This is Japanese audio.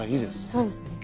そうですね。